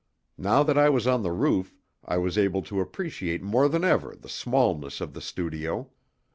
Now that I was on the roof I was able to appreciate more than ever the smallness of the studio.